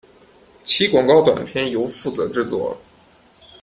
其广告短片由负责制作。